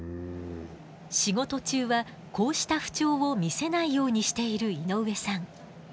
仕事中はこうした不調を見せないようにしている井上さん。